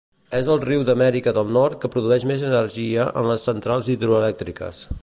És el riu d'Amèrica del Nord que produeix més energia en les centrals hidroelèctriques.